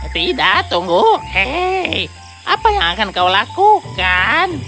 tidak tunggu hei apa yang akan kau lakukan